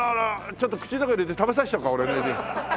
ちょっと口の中入れて食べさせちゃおうか俺の指。